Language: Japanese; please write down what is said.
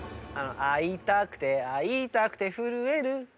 「会いたくて会いたくて震える」